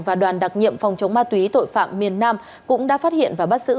và đoàn đặc nhiệm phòng chống ma túy tội phạm miền nam cũng đã phát hiện và bắt giữ